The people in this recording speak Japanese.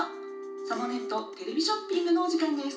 『サボネットテレビショッピング』のおじかんです」。